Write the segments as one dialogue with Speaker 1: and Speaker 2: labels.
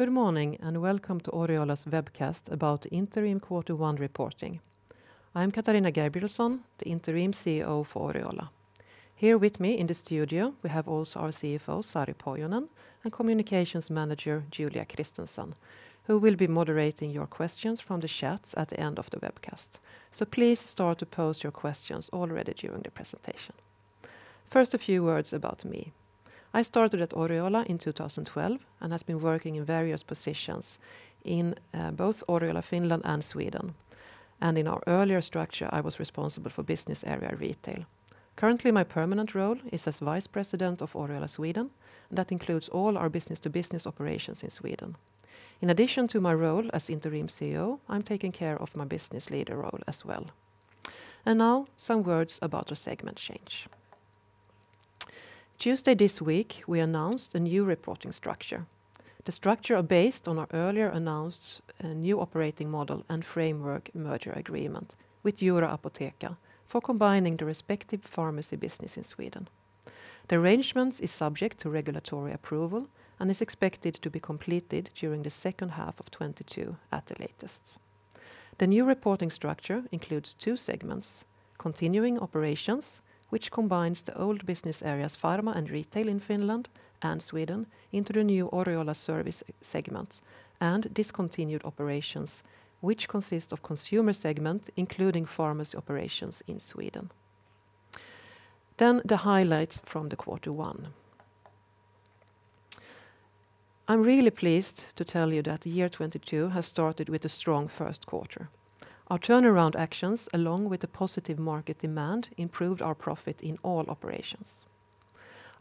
Speaker 1: Good morning and welcome to Oriola's webcast about interim quarter one reporting. I'm Katarina Gabrielson, the Interim CEO for Oriola. Here with me in the studio we have also our CFO, Sari Pohjonen, and Communications Manager, Julia Kristensen, who will be moderating your questions from the chats at the end of the webcast. Please start to pose your questions already during the presentation. First, a few words about me. I started at Oriola in 2012 and has been working in various positions in both Oriola Finland and Sweden. In our earlier structure, I was responsible for business area retail. Currently, my permanent role is as Vice President of Oriola Sweden, and that includes all our business-to-business operations in Sweden. In addition to my role as Interim CEO, I'm taking care of my business leader role as well. Now some words about our segment change. Tuesday this week, we announced a new reporting structure. The structure are based on our earlier announced new operating model and framework merger agreement with Euroapotheca for combining the respective pharmacy business in Sweden. The arrangements is subject to regulatory approval and is expected to be completed during the second half of 2022 at the latest. The new reporting structure includes two segments, continuing operations, which combines the old business areas, Pharma and Retail in Finland and Sweden into the new Oriola Services segment, and discontinued operations, which consists of Consumer segment, including pharmacy operations in Sweden. The highlights from the quarter one. I'm really pleased to tell you that year 2022 has started with a strong first quarter. Our turnaround actions, along with the positive market demand, improved our profit in all operations.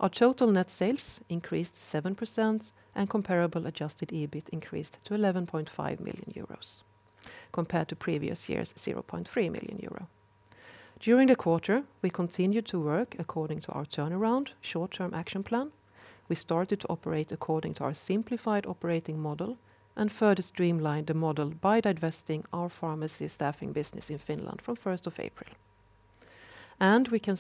Speaker 1: Our total net sales increased 7% and comparable adjusted EBIT increased to 11.5 million euros compared to previous year's 0.3 million euro. During the quarter, we continued to work according to our turnaround short-term action plan. We started to operate according to our simplified operating model and further streamlined the model by divesting our pharmacy staffing business in Finland from 1st of April. We can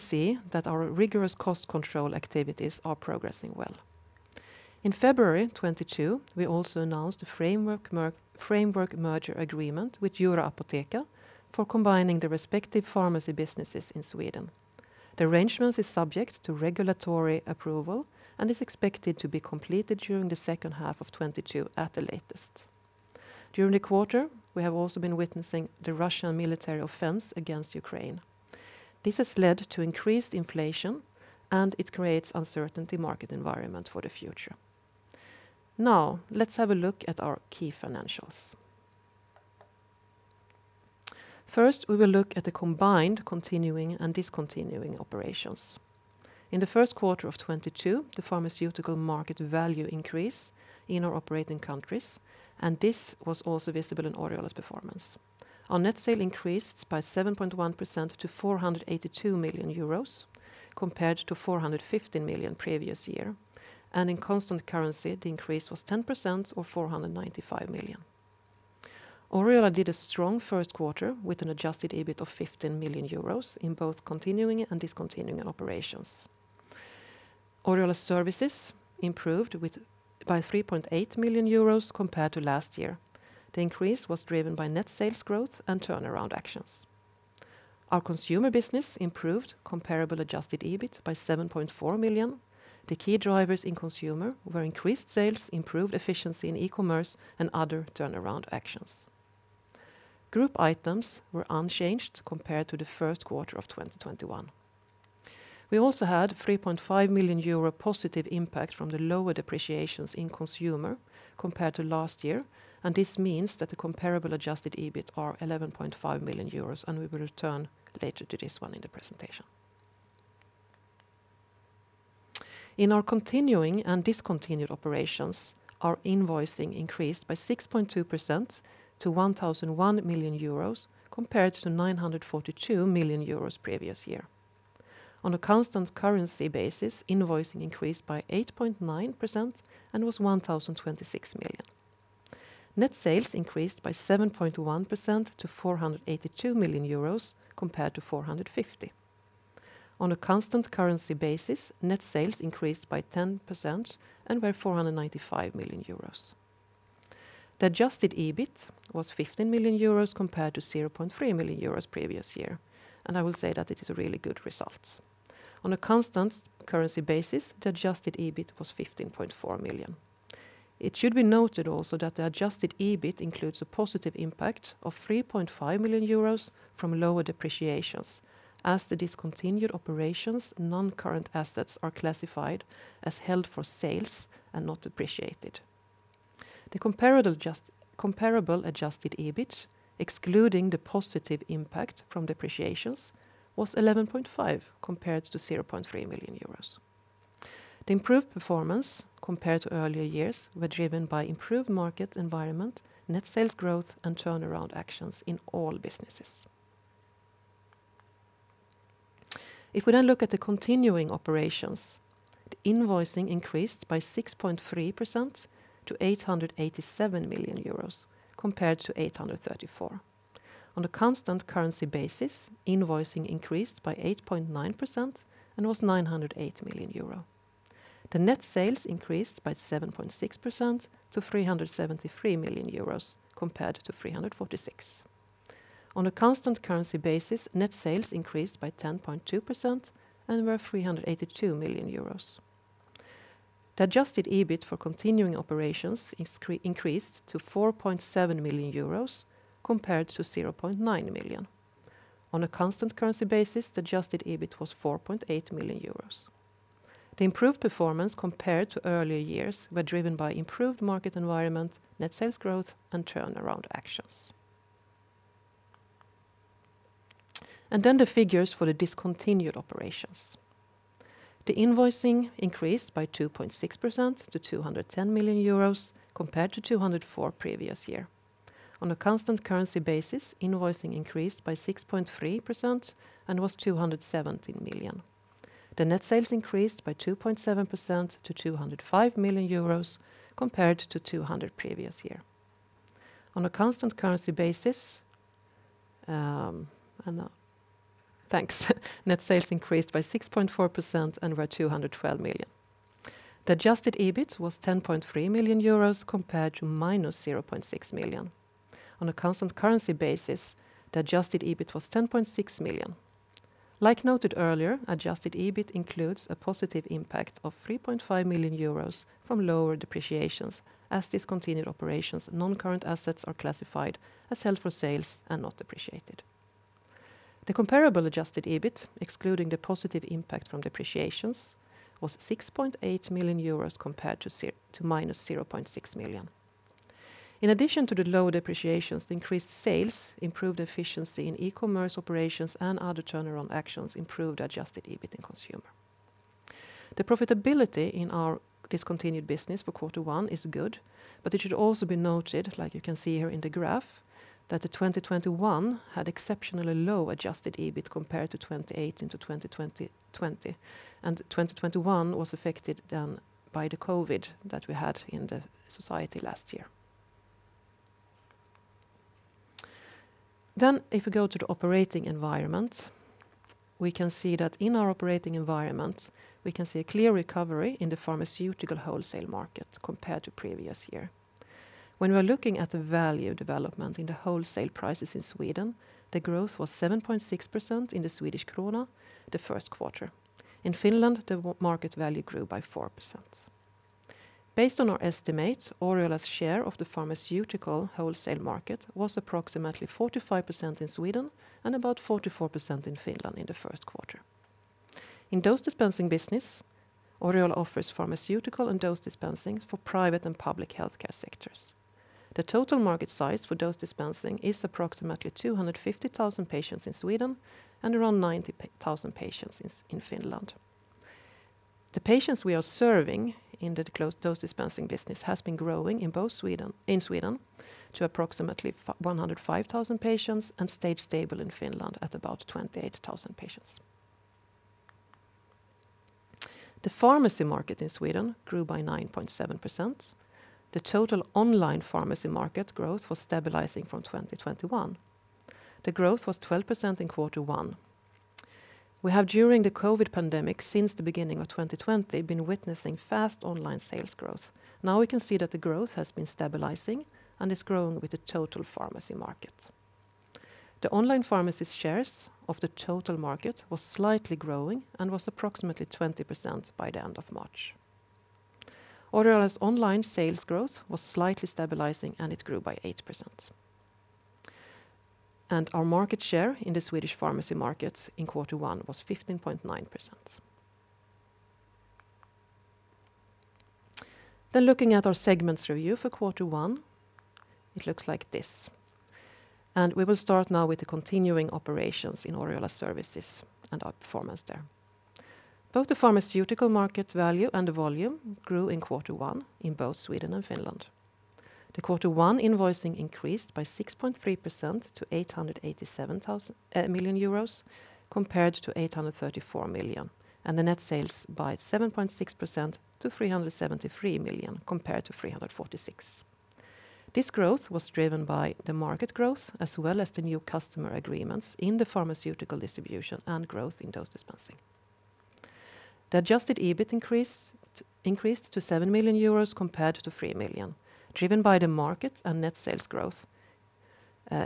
Speaker 1: see that our rigorous cost control activities are progressing well. In February 2022, we also announced a framework merger agreement with Euroapotheca for combining the respective pharmacy businesses in Sweden. The arrangement is subject to regulatory approval and is expected to be completed during the second half of 2022 at the latest. During the quarter, we have also been witnessing the Russian military offensive against Ukraine. This has led to increased inflation, and it creates an uncertain market environment for the future. Now let's have a look at our key financials. First, we will look at the combined continuing and discontinued operations. In the first quarter of 2022, the pharmaceutical market value increased in our operating countries, and this was also visible in Oriola's performance. Our net sales increased by 7.1% to 482 million euros compared to 415 million previous year. In constant currency, the increase was 10% or 495 million. Oriola did a strong first quarter with an adjusted EBIT of 15 million euros in both continuing and discontinued operations. Oriola Services improved by 3.8 million euros compared to last year. The increase was driven by net sales growth and turnaround actions. Our consumer business improved comparable adjusted EBIT by 7.4 million. The key drivers in consumer were increased sales, improved efficiency in e-commerce, and other turnaround actions. Group items were unchanged compared to the first quarter of 2021. We also had 3.5 million euro positive impact from the lower depreciations in consumer compared to last year, and this means that the comparable adjusted EBIT are 11.5 million euros, and we will return later to this one in the presentation. In our continuing and discontinued operations, our invoicing increased by 6.2% to 1,001 million euros compared to 942 million euros previous year. On a constant currency basis, invoicing increased by 8.9% and was 1,026 million. Net sales increased by 7.1% to 482 million euros compared to 450 million. On a constant currency basis, net sales increased by 10% and were 495 million euros. The adjusted EBIT was 15 million euros compared to 0.3 million euros previous year, and I will say that it is a really good result. On a constant currency basis, the adjusted EBIT was 15.4 million. It should be noted also that the adjusted EBIT includes a positive impact of 3.5 million euros from lower depreciations as the discontinued operations non-current assets are classified as held for sale and not depreciated. The comparable adjusted EBIT, excluding the positive impact from depreciations, was 11.5 million compared to 0.3 million euros. The improved performance compared to earlier years were driven by improved market environment, net sales growth, and turnaround actions in all businesses. If we then look at the continuing operations. The invoicing increased by 6.3% to 887 million euros compared to 834. On a constant currency basis, invoicing increased by 8.9% and was 908 million euro. The net sales increased by 7.6% to 373 million euros compared to 346. On a constant currency basis, net sales increased by 10.2% and were 382 million euros. The adjusted EBIT for continuing operations increased to 4.7 million euros compared to 0.9 million. On a constant currency basis, the adjusted EBIT was 4.8 million euros. The improved performance compared to earlier years were driven by improved market environment, net sales growth, and turnaround actions. The figures for the discontinued operations. Invoicing increased by 2.6% to 210 million euros compared to 204 previous year. On a constant currency basis, invoicing increased by 6.3% and was 217 million. Net sales increased by 2.7% to 205 million euros compared to 200 previous year. On a constant currency basis, net sales increased by 6.4% and were 212 million. Adjusted EBIT was 10.3 million euros compared to -0.6 million. On a constant currency basis, adjusted EBIT was 10.6 million. Like noted earlier, adjusted EBIT includes a positive impact of 3.5 million euros from lower depreciations, as discontinued operations non-current assets are classified as held for sale and not depreciated. The comparable adjusted EBIT, excluding the positive impact from depreciations, was 6.8 million euros compared to -0.6 million. In addition to the low depreciations, the increased sales, improved efficiency in e-commerce operations, and other turnaround actions improved adjusted EBIT in consumer. The profitability in our discontinued business for quarter one is good, but it should also be noted, like you can see here in the graph, that 2021 had exceptionally low adjusted EBIT compared to 2018 and to 2020, and 2021 was affected, then, by the COVID that we had in the society last year. If we go to the operating environment, we can see that in our operating environment, we can see a clear recovery in the pharmaceutical wholesale market compared to previous year. When we're looking at the value development in the wholesale prices in Sweden, the growth was 7.6% in the Swedish krona the first quarter. In Finland, the wholesale market value grew by 4%. Based on our estimates, Oriola's share of the pharmaceutical wholesale market was approximately 45% in Sweden and about 44% in Finland in the first quarter. In dose dispensing business, Oriola offers pharmaceutical and dose dispensing for private and public healthcare sectors. The total market size for dose dispensing is approximately 250,000 patients in Sweden and around 90,000 patients in Finland. The patients we are serving in the closed dose dispensing business has been growing in both Sweden to approximately 105,000 patients and stayed stable in Finland at about 28,000 patients. The pharmacy market in Sweden grew by 9.7%. The total online pharmacy market growth was stabilizing from 2021. The growth was 12% in quarter one. We have during the COVID pandemic since the beginning of 2020 been witnessing fast online sales growth. Now we can see that the growth has been stabilizing and is growing with the total pharmacy market. The online pharmacy shares of the total market was slightly growing and was approximately 20% by the end of March. Oriola's online sales growth was slightly stabilizing, and it grew by 8%. Our market share in the Swedish pharmacy market in quarter one was 15.9%. Looking at our segments review for quarter one, it looks like this. We will start now with the continuing operations in Oriola Services and our performance there. Both the pharmaceutical market value and the volume grew in quarter one in both Sweden and Finland. The quarter one invoicing increased by 6.3% to 887 million euros compared to 834 million, and the net sales by 7.6% to 373 million compared to 346 million. This growth was driven by the market growth as well as the new customer agreements in the pharmaceutical distribution and growth in dose dispensing. The adjusted EBIT increased to 7 million euros compared to 3 million, driven by the market and net sales growth,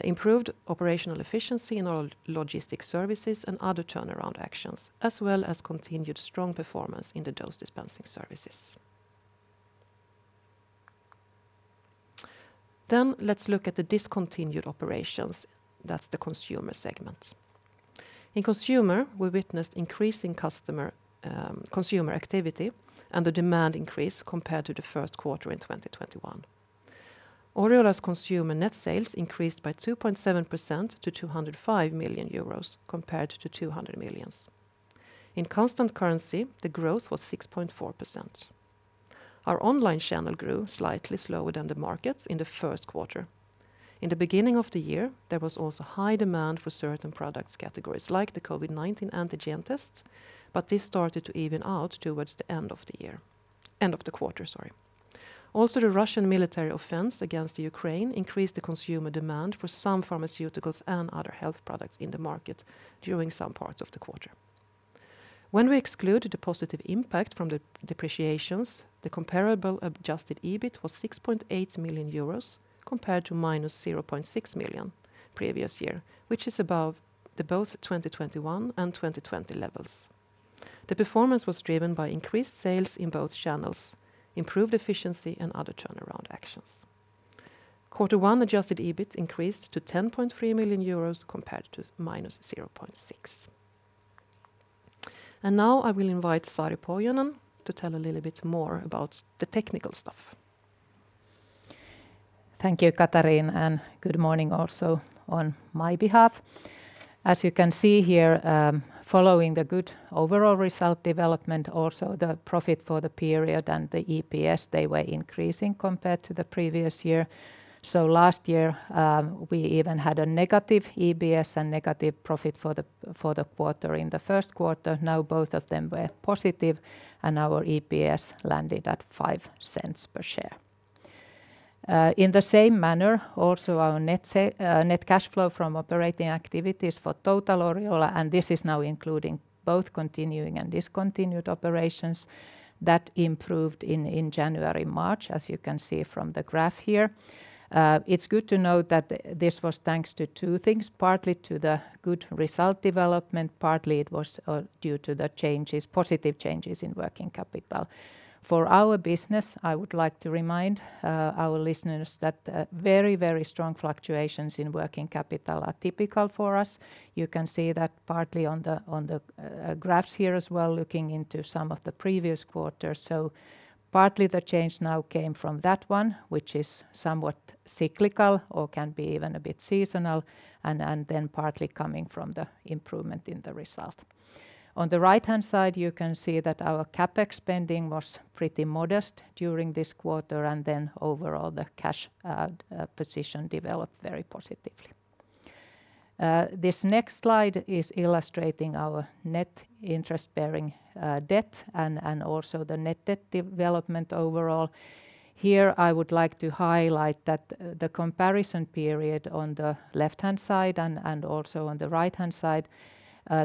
Speaker 1: improved operational efficiency in our logistics services and other turnaround actions, as well as continued strong performance in the dose dispensing services. Let's look at the discontinued operations. That's the Consumer segment. In consumer, we witnessed increasing customer, consumer activity and the demand increase compared to the first quarter in 2021. Oriola's consumer net sales increased by 2.7% to 205 million euros compared to 200 million. In constant currency, the growth was 6.4%. Our online channel grew slightly slower than the markets in the first quarter. In the beginning of the year, there was also high demand for certain product categories, like the COVID-19 antigen tests, but this started to even out towards the end of the quarter, sorry. Also, the Russian military offensive against the Ukraine increased the consumer demand for some pharmaceuticals and other health products in the market during some parts of the quarter. When we excluded the positive impact from the depreciations, the comparable adjusted EBIT was 6.8 million euros compared to -0.6 million previous year, which is above both 2021 and 2020 levels. The performance was driven by increased sales in both channels, improved efficiency, and other turnaround actions. Quarter one adjusted EBIT increased to 10.3 million euros compared to -0.6 million. Now I will invite Sari Pohjonen to tell a little bit more about the technical stuff.
Speaker 2: Thank you, Katarina, and good morning also on my behalf. As you can see here, following the good overall result development, also the profit for the period and the EPS, they were increasing compared to the previous year. Last year, we even had a negative EPS and negative profit for the quarter in the first quarter. Now both of them were positive, and our EPS landed at 0.05 per share. In the same manner, also our net cash flow from operating activities for total Oriola, and this is now including both continuing and discontinued operations that improved in January-March, as you can see from the graph here. It's good to note that this was thanks to two things, partly to the good result development, partly it was due to the positive changes in working capital. For our business, I would like to remind our listeners that very strong fluctuations in working capital are typical for us. You can see that partly on the graphs here as well, looking into some of the previous quarters. Partly the change now came from that one, which is somewhat cyclical or can be even a bit seasonal, and then partly coming from the improvement in the result. On the right-hand side, you can see that our CapEx spending was pretty modest during this quarter, and then overall the cash position developed very positively. This next slide is illustrating our net interest-bearing debt and also the net debt development overall. Here, I would like to highlight that the comparison period on the left-hand side and also on the right-hand side,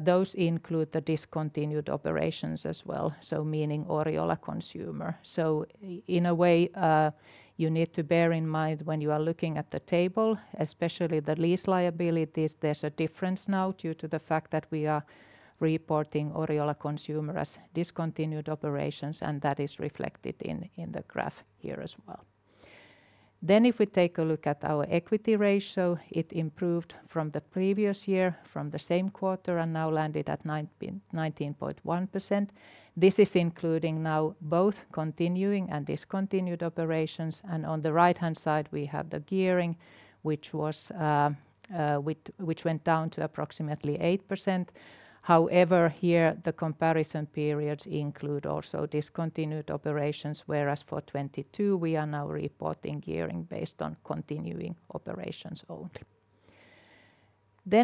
Speaker 2: those include the discontinued operations as well, so meaning Oriola Consumer. In a way, you need to bear in mind when you are looking at the table, especially the lease liabilities, there's a difference now due to the fact that we are reporting Oriola Consumer as discontinued operations, and that is reflected in the graph here as well. If we take a look at our equity ratio, it improved from the previous year from the same quarter and now landed at 19.1%. This is including now both continuing and discontinued operations. On the right-hand side, we have the gearing, which went down to approximately 8%. However, here the comparison periods include also discontinued operations, whereas for 2022, we are now reporting gearing based on continuing operations only.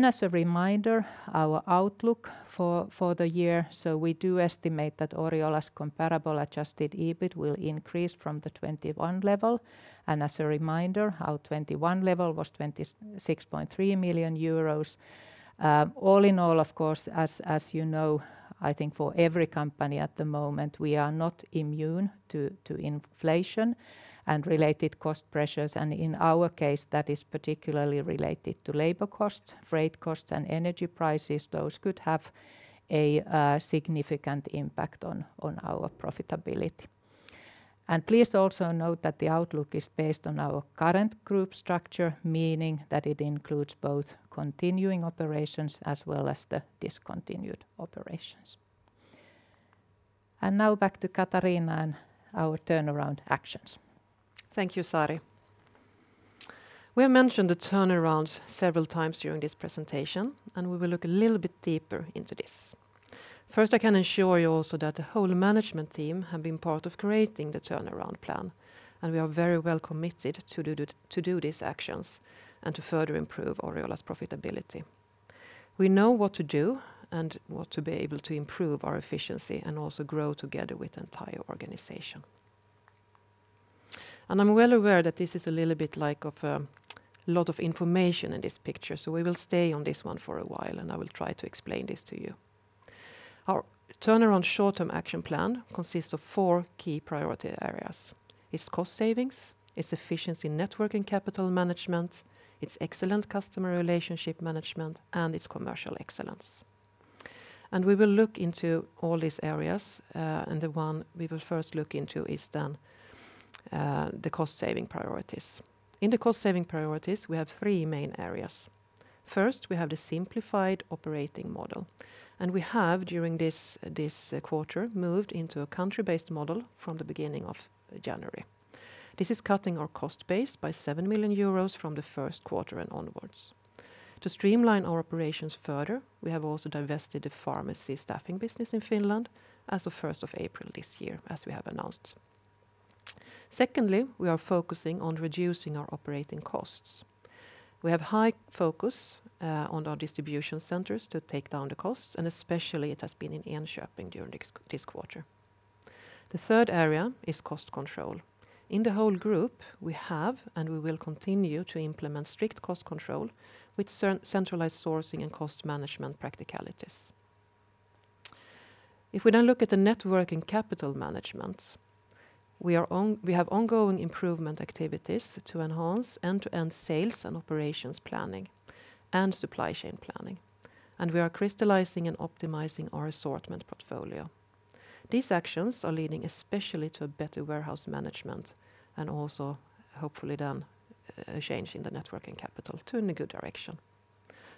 Speaker 2: As a reminder, our outlook for the year, so we do estimate that Oriola's comparable adjusted EBIT will increase from the 2021 level. As a reminder, our 2021 level was 26.3 million euros. All in all, of course, as you know, I think for every company at the moment, we are not immune to inflation and related cost pressures. In our case, that is particularly related to labor costs, freight costs, and energy prices. Those could have a significant impact on our profitability. Please also note that the outlook is based on our current group structure, meaning that it includes both continuing operations as well as the discontinued operations. Now back to Katarina and our turnaround actions.
Speaker 1: Thank you, Sari. We have mentioned the turnarounds several times during this presentation, and we will look a little bit deeper into this. First, I can assure you also that the whole management team have been part of creating the turnaround plan, and we are very well committed to do these actions and to further improve Oriola's profitability. We know what to do and what to be able to improve our efficiency and also grow together with the entire organization. I'm well aware that this is a little bit of a lot of information in this picture, so we will stay on this one for a while, and I will try to explain this to you. Our turnaround short-term action plan consists of four key priority areas. It's cost savings, it's efficiency in net working capital management, its excellent customer relationship management, and it's commercial excellence. We will look into all these areas, and the one we will first look into is then the cost-saving priorities. In the cost-saving priorities, we have three main areas. First, we have the simplified operating model, and we have, during this quarter, moved into a country-based model from the beginning of January. This is cutting our cost base by 7 million euros from the first quarter and onwards. To streamline our operations further, we have also divested the pharmacy staffing business in Finland as of 1st of April this year, as we have announced. Secondly, we are focusing on reducing our operating costs. We have high focus on our distribution centers to take down the costs, and especially it has been in Enköping during this quarter. The third area is cost control. In the whole group, we have and we will continue to implement strict cost control with centralized sourcing and cost management practices. If we now look at the networking and capital management, we have ongoing improvement activities to enhance end-to-end sales and operations planning and supply chain planning, and we are crystallizing and optimizing our assortment portfolio. These actions are leading especially to a better warehouse management and also hopefully then a change in the network and capital turned in a good direction.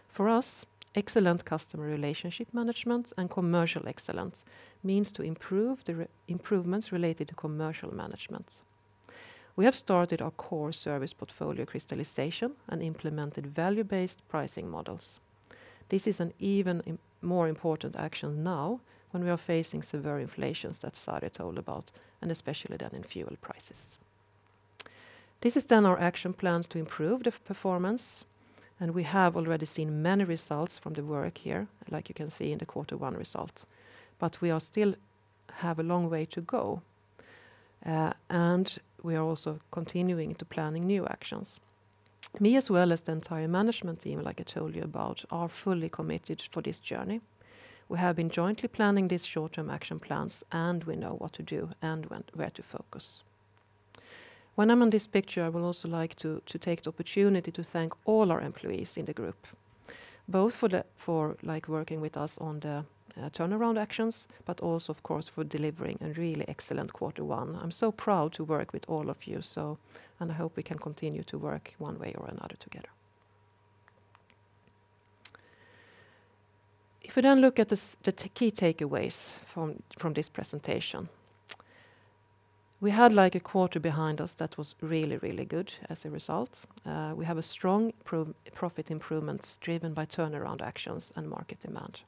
Speaker 1: For us, excellent customer relationship management and commercial excellence means to improve the improvements related to commercial management. We have started our core service portfolio crystallization and implemented value-based pricing models. This is an even more important action now when we are facing severe inflation that Sari told about, and especially then in fuel prices. This is then our action plans to improve the performance, and we have already seen many results from the work here, like you can see in the quarter one result. We still have a long way to go, and we are also continuing to planning new actions. Me as well as the entire management team, like I told you about, are fully committed for this journey. We have been jointly planning these short-term action plans, and we know what to do and where to focus. When I'm on this picture, I will also like to take the opportunity to thank all our employees in the group, both for like working with us on the turnaround actions, but also of course for delivering a really excellent quarter one. I'm so proud to work with all of you, and I hope we can continue to work one way or another together. If we look at the key takeaways from this presentation, we had like a quarter behind us that was really really good as a result. We have a strong profit improvement driven by turnaround actions and market demand.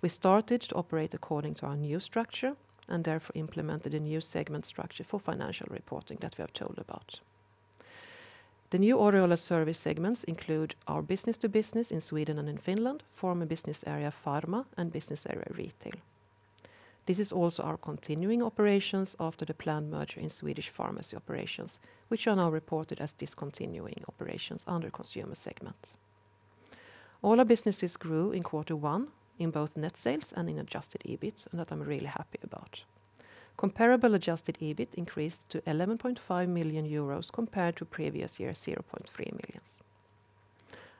Speaker 1: We started to operate according to our new structure and therefore implemented a new segment structure for financial reporting that we have told about. The new Oriola Services segments include our business to business in Sweden and in Finland, former business area Pharma, and business area Retail. This is also our continuing operations after the planned merger in Swedish pharmacy operations, which are now reported as discontinued operations under Consumer segment. All our businesses grew in quarter one in both net sales and in adjusted EBIT, and that I'm really happy about. Comparable adjusted EBIT increased to 11.5 million euros compared to previous year 0.3 million.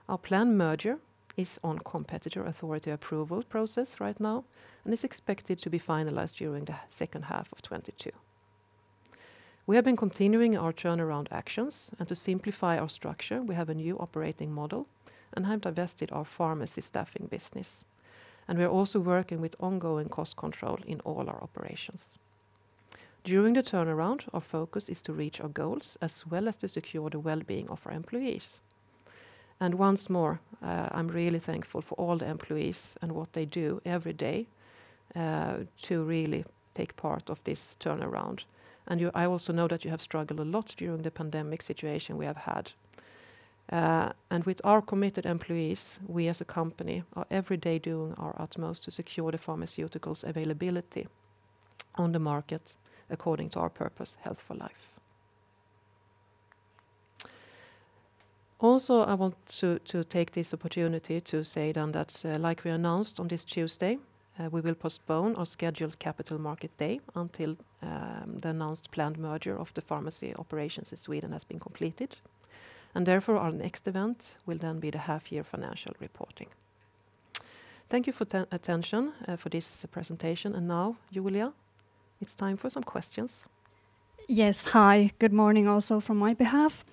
Speaker 1: Our planned merger is on competition authority approval process right now and is expected to be finalized during the second half of 2022. We have been continuing our turnaround actions and to simplify our structure, we have a new operating model and have divested our pharmacy staffing business. We are also working with ongoing cost control in all our operations. During the turnaround, our focus is to reach our goals as well as to secure the well-being of our employees. Once more, I'm really thankful for all the employees and what they do every day to really take part of this turnaround. I also know that you have struggled a lot during the pandemic situation we have had. With our committed employees, we as a company are every day doing our utmost to secure the pharmaceuticals availability on the market according to our purpose, Health for Life. I want to take this opportunity to say then that like we announced on this Tuesday, we will postpone our scheduled Capital Markets Day until the announced planned merger of the pharmacy operations in Sweden has been completed. Therefore, our next event will then be the half-year financial reporting. Thank you for your attention for this presentation. Now, Julia, it's time for some questions.
Speaker 3: Yes. Hi. Good morning also from my behalf.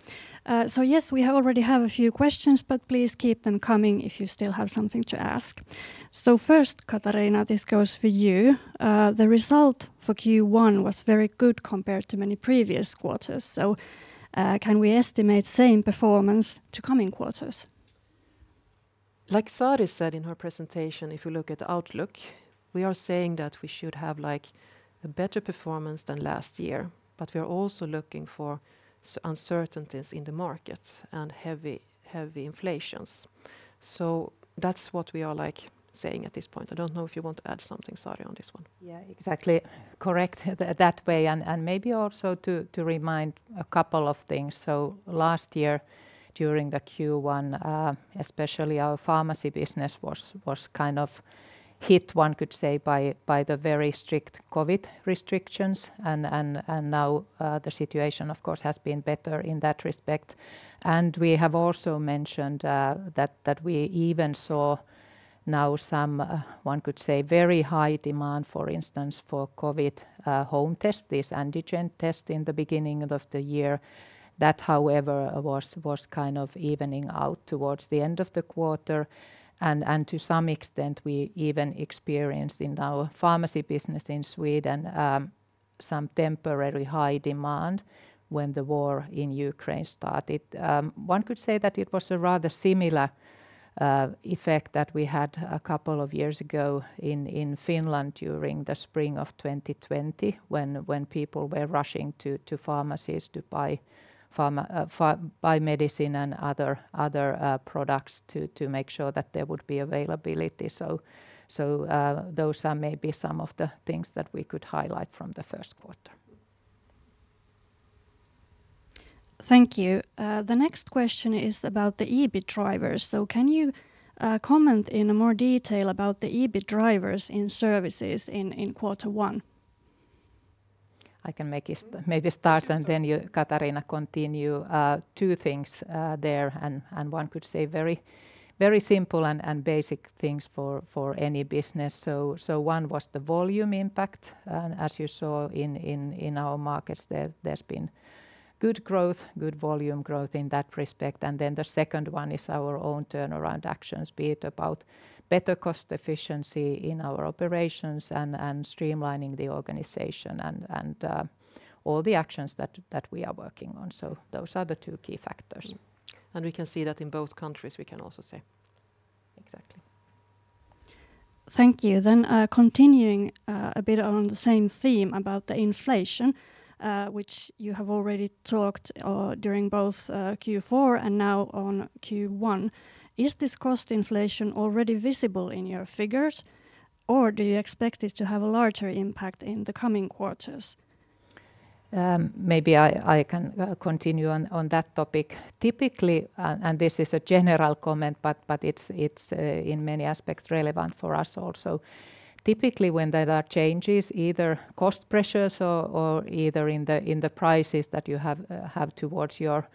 Speaker 3: Yes, we already have a few questions, but please keep them coming if you still have something to ask. First, Katarina, this goes for you. The result for Q1 was very good compared to many previous quarters. Can we estimate same performance to coming quarters?
Speaker 1: Like Sari said in her presentation, if you look at the outlook, we are saying that we should have, like, a better performance than last year, but we are also seeing uncertainties in the markets and heavy inflation. That's what we are, like, saying at this point. I don't know if you want to add something, Sari, on this one.
Speaker 2: Yeah, exactly. Correct that way, and maybe also to remind a couple of things. Last year during the Q1, especially our pharmacy business was kind of hit, one could say, by the very strict COVID restrictions and now the situation of course has been better in that respect. We have also mentioned that we even saw now some, one could say, very high demand, for instance, for COVID home test, this antigen test in the beginning of the year. That, however, was kind of evening out towards the end of the quarter and to some extent we even experienced in our pharmacy business in Sweden some temporary high demand when the war in Ukraine started. One could say that it was a rather similar effect that we had a couple of years ago in Finland during the spring of 2020 when people were rushing to pharmacies to buy medicine and other products to make sure that there would be availability. Those are maybe some of the things that we could highlight from the first quarter.
Speaker 3: Thank you. The next question is about the EBIT drivers. Can you comment in more detail about the EBIT drivers in services in quarter one?
Speaker 2: I can make it maybe start and then you, Katarina, continue, two things there. One could say very simple and basic things for any business. One was the volume impact, and as you saw in our markets there's been good growth, good volume growth in that respect. The second one is our own turnaround actions, be it about better cost efficiency in our operations and streamlining the organization and all the actions that we are working on. Those are the two key factors.
Speaker 1: We can see that in both countries, we can also say.
Speaker 2: Exactly.
Speaker 3: Thank you. Continuing, a bit on the same theme about the inflation, which you have already talked during both Q4 and now on Q1, is this cost inflation already visible in your figures, or do you expect it to have a larger impact in the coming quarters?
Speaker 2: Maybe I can continue on that topic. Typically, this is a general comment, but it's in many aspects relevant for us also. Typically, when there are changes, either cost pressures or in the prices that you have towards your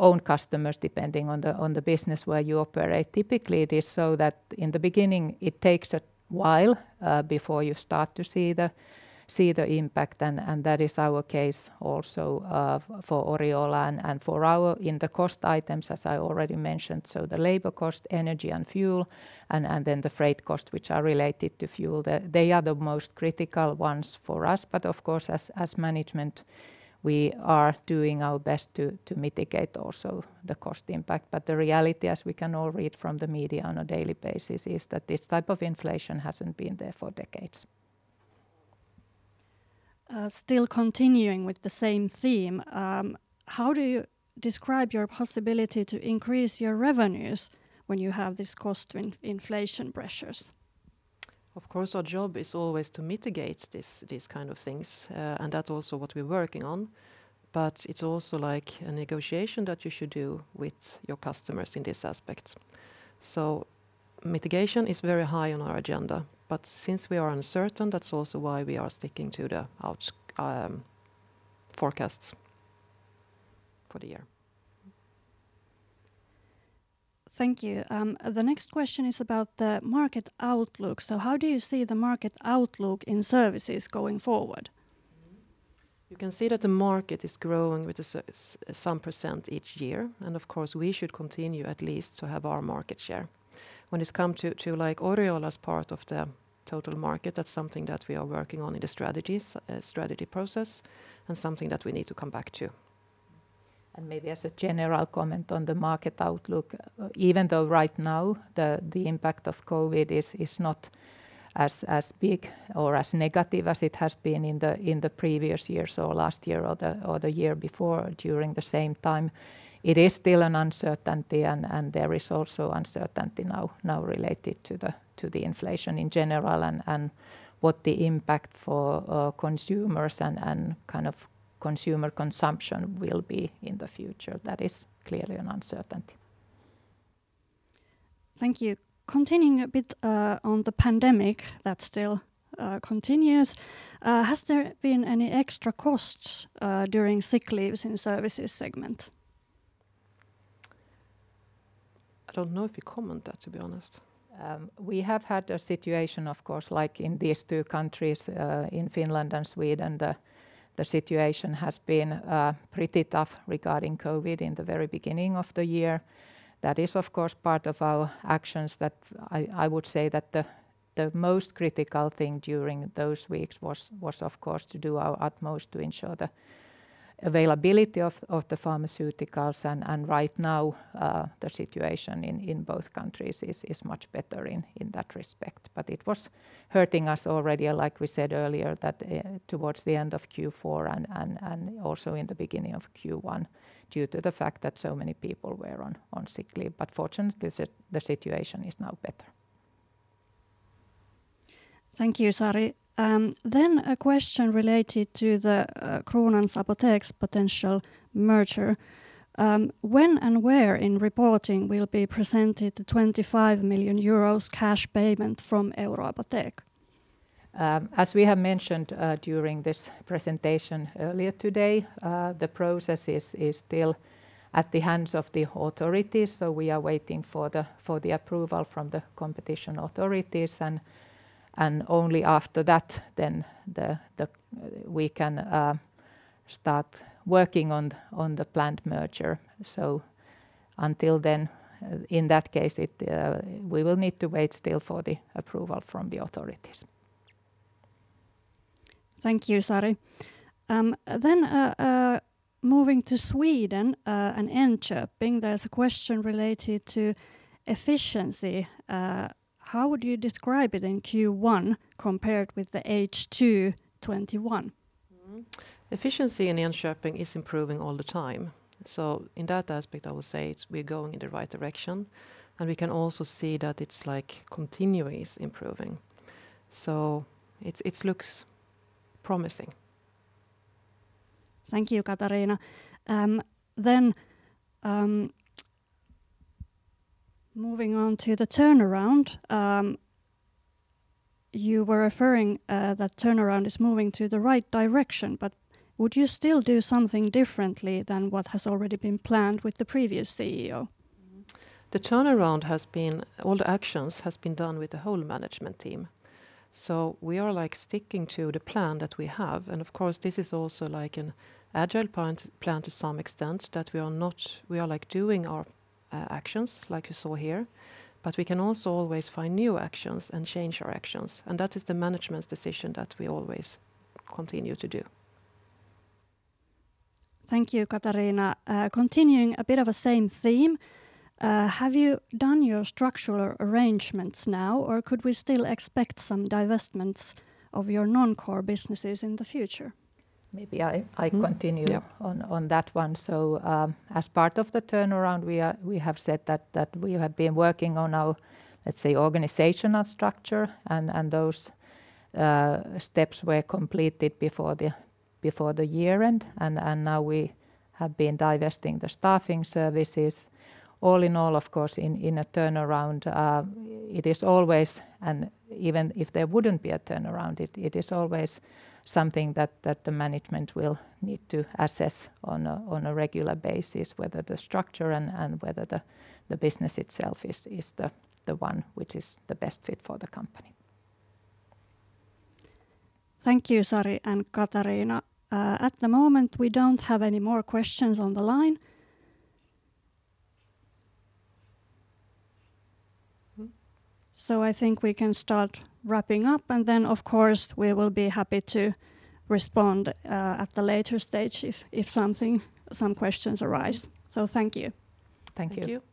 Speaker 2: own customers depending on the business where you operate, it is so that in the beginning it takes a while before you start to see the impact, and that is our case also for Oriola and in the cost items, as I already mentioned, the labor cost, energy, and fuel, and then the freight costs, which are related to fuel. They are the most critical ones for us. Of course, as management, we are doing our best to mitigate also the cost impact. The reality, as we can all read from the media on a daily basis, is that this type of inflation hasn't been there for decades.
Speaker 3: Still continuing with the same theme, how do you describe your possibility to increase your revenues when you have this cost inflation pressures?
Speaker 1: Of course, our job is always to mitigate this, these kinds of things, and that's also what we're working on. It's also like a negotiation that you should do with your customers in this aspect. Mitigation is very high on our agenda. Since we are uncertain, that's also why we are sticking to the forecasts for the year.
Speaker 3: Thank you. The next question is about the market outlook. How do you see the market outlook in services going forward?
Speaker 1: You can see that the market is growing with some percent each year, and of course, we should continue at least to have our market share. When it's come to like Oriola's part of the total market, that's something that we are working on in the strategies, strategy process, and something that we need to come back to.
Speaker 2: Maybe as a general comment on the market outlook, even though right now the impact of COVID is not as big or as negative as it has been in the previous years or last year or the year before during the same time, it is still an uncertainty and there is also uncertainty now related to the inflation in general and what the impact for consumers and kind of consumer consumption will be in the future. That is clearly an uncertainty.
Speaker 3: Thank you. Continuing a bit, on the pandemic that still continues, has there been any extra costs during sick leaves in Services segment?
Speaker 1: I don't know if we comment that, to be honest.
Speaker 2: We have had a situation, of course, like in these two countries, in Finland and Sweden, the situation has been pretty tough regarding COVID in the very beginning of the year. That is, of course, part of our actions that I would say that the most critical thing during those weeks was, of course, to do our utmost to ensure the availability of the pharmaceuticals. Right now, the situation in both countries is much better in that respect. It was hurting us already, like we said earlier, towards the end of Q4 and also in the beginning of Q1, due to the fact that so many people were on sick leave. Fortunately, the situation is now better.
Speaker 3: Thank you, Sari. A question related to the Kronans Apotek's potential merger. When and where in reporting will be presented the 25 million euros cash payment from Euroapotheca?
Speaker 2: As we have mentioned during this presentation earlier today, the process is still at the hands of the authorities, so we are waiting for the approval from the competition authorities and only after that then we can start working on the planned merger. Until then, in that case, we will need to wait still for the approval from the authorities.
Speaker 3: Thank you, Sari. Moving to Sweden, and Enköping, there's a question related to efficiency. How would you describe it in Q1 compared with the H2 2021?
Speaker 1: Efficiency in Enköping is improving all the time. In that aspect, I would say we're going in the right direction, and we can also see that it's, like, continuously improving. It looks promising.
Speaker 3: Thank you, Katarina. Moving on to the turnaround, you were referring that turnaround is moving to the right direction, but would you still do something differently than what has already been planned with the previous CEO?
Speaker 1: The turnaround has been all the actions has been done with the whole management team, so we are, like, sticking to the plan that we have. Of course, this is also, like, an agile plan to some extent that we are, like, doing our actions, like you saw here. We can also always find new actions and change our actions, and that is the management's decision that we always continue to do.
Speaker 3: Thank you, Katarina. Continuing a bit of the same theme, have you done your structural arrangements now, or could we still expect some divestments of your non-core businesses in the future?
Speaker 2: Maybe I continue.
Speaker 1: Yeah.
Speaker 2: On that one. As part of the turnaround, we have said that we have been working on our, let's say, organizational structure and those steps were completed before the year end. Now we have been divesting the staffing services. All in all, of course, in a turnaround, it is always and even if there wouldn't be a turnaround, it is always something that the management will need to assess on a regular basis, whether the structure and whether the business itself is the one which is the best fit for the company.
Speaker 3: Thank you, Sari and Katarina. At the moment, we don't have any more questions on the line. I think we can start wrapping up, and then of course, we will be happy to respond at the later stage if something, some questions arise. Thank you.
Speaker 2: Thank you.
Speaker 1: Thank you.